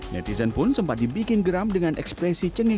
netizen pun sempat dibikin geram dengan ekspresi cengeng ceng